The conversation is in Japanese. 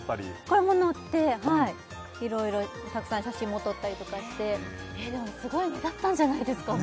これも乗ってはいいろいろたくさん写真も撮ったりとかしてでもすごい目立ったんじゃないですか？